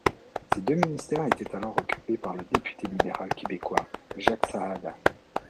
Ces deux ministères étaient alors occupés par le député libéral québécois Jacques Saada.